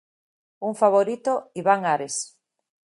Un favorito, Iván Ares.